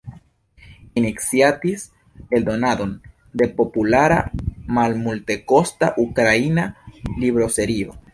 Iniciatis eldonadon de populara malmultekosta ukraina libroserio.